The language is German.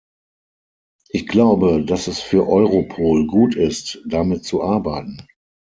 Ich glaube, dass es für Europol gut ist, damit zu arbeiten.